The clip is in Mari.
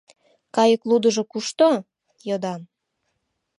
«Кайык лудыжо кушто?» — йодам.